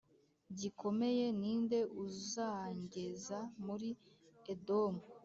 gikomeye Ni nde uzangeza muri Edomu